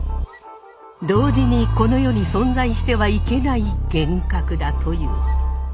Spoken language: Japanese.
同時にこの世に存在してはいけない幻覚だという。